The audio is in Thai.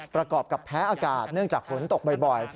ประกอบกับแพ้อากาศเนื่องจากฝนตกบ่อย